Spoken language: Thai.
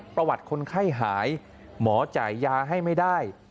ประวัติคนไข้หายหมอจ่ายยาให้ไม่ได้